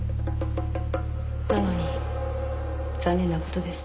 なのに残念な事です。